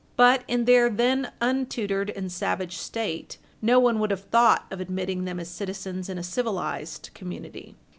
But, in their then untutored and savage state, no one would have thought of admitting them as citizens in a civilized community.